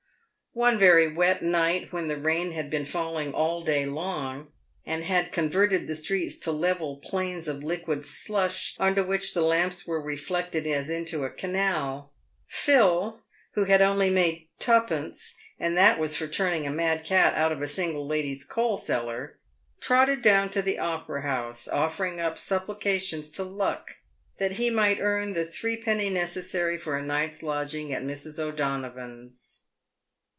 One very wet night, when the rain had been falling all day long, and had converted the streets to level plains of liquid slush, into which the lamps were reflected as into a canal, Phil, who had only made twopence — and that was for turning a mad cat out of a single lady's coal cellar — trotted down to the Opera House, offering up supplications to " luck" that he might earn the threepence necessary for a night's lodging at Mrs. O'Donovan's.